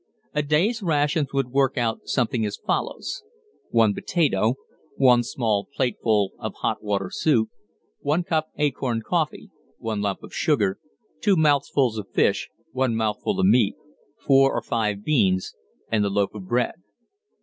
A day's rations would work out something as follows: one potato, one small plateful of hot water soup, one cup acorn coffee, one lump of sugar, two mouthfuls of fish, one mouthful of meat, four or five beans, and the loaf of bread.